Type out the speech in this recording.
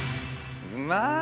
まあ！